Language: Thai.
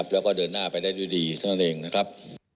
แล้วก็เดินหน้าไปได้ดีทั้งนั้นเองนะครับ